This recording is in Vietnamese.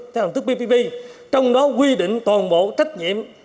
theo hành tức ppp trong đó quy định toàn bộ trách nhiệm